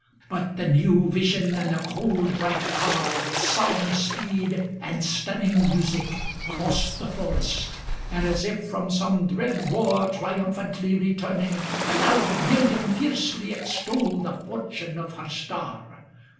But the new Vision, and the cold bright car, With solemn speed and stunning music, crossed 'The forest; and, as if from some dread war Triumphantly returning, the loud million Fiercely extolled the fortune of her star.